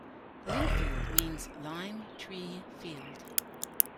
Lindfield means "lime tree field".